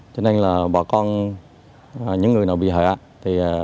cho nên là bà con những người nào bị hại